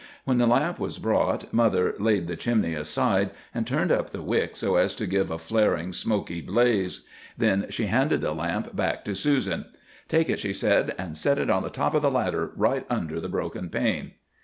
When the lamp was brought, mother laid the chimney aside, and turned up the wick so as to give a flaring, smoky blaze. Then she handed the lamp back to Susan. "'Take it,' she said, 'and set it on the top of the ladder, right under the broken pane.